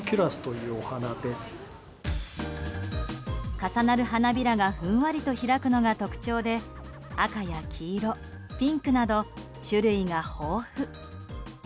重なる花びらがふんわりと開くのが特徴で赤や黄色、ピンクなど種類が豊富。